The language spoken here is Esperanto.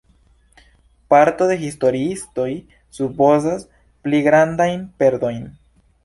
Parto de historiistoj supozas pli grandajn perdojn.